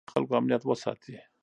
حکومت باید د خلکو امنیت وساتي.